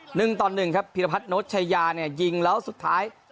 หนึ่งต่อหนึ่งครับพิรพัฒนชายาเนี่ยยิงแล้วสุดท้าย